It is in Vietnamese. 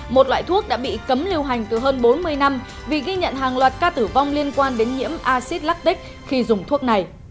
một loại thuốc đã bị cấm lưu hành từ hơn bốn mươi năm vì ghi nhận hàng loạt ca tử vong liên quan đến nhiễm acid lactic khi dùng thuốc này